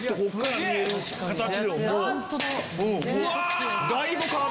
うわ！